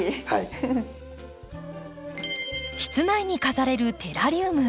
室内に飾れるテラリウム。